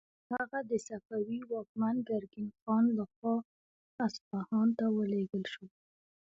هغه د صفوي واکمن ګرګین خان لخوا اصفهان ته ولیږل شو.